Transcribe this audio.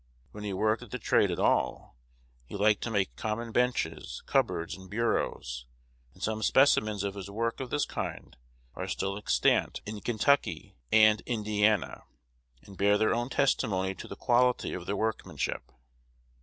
When he worked at the trade at all, he liked to make common benches, cupboards, and bureaus; and some specimens of his work of this kind are still extant in Kentucky and Indiana, and bear their own testimony to the quality of their workmanship.